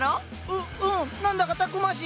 ううん。何だかたくましい。